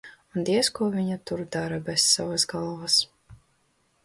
Un diez ko viņa tur dara bez savas galvas?